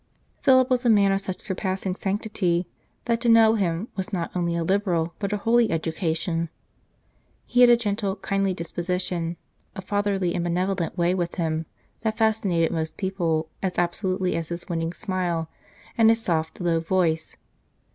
Philip was a man of such surpassing sanctity that to know him was not only a liberal, but a holy education. He had a gentle, kindly disposition, a fatherly and benevolent way with him that fascinated most people as abso lutely as his winning smile and his soft, low voice.